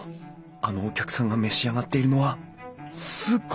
あのお客さんが召し上がっているのはスコーン！